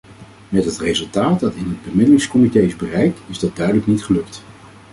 Met het resultaat dat in het bemiddelingscomité is bereikt, is dat duidelijk niet gelukt.